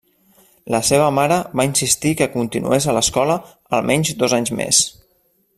La seva mare va insistir que continués a l'escola almenys dos anys més.